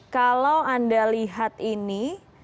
kalau anda lihat ini